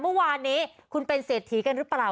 เมื่อวานนี้คุณเป็นเศรษฐีกันหรือเปล่า